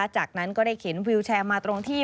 จากนั้นก็ได้เข็นวิวแชร์มาตรงที่